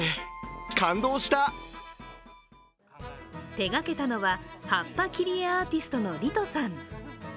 手がけたのは、葉っぱ切り絵アーティストのリトさん。